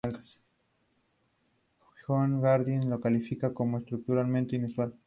Fue colaborador del diario "El Pensamiento Español" y de la revista "Altar y Trono".